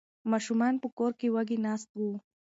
ماشومان په کور کې وږي ناست وو.